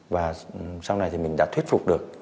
và sau này thì mình đã thuyết phục được